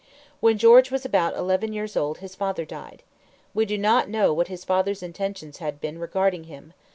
When George was about eleven years old his father died. We do not know what his father's intentions had been regarding him.